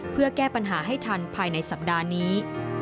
เพื่อแก้ปัญหาให้ทันภายในสัปดาห์นี้